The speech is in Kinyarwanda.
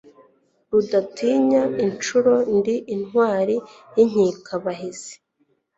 Rudatinya inshuro, ndi intwali y'inkikabahizi.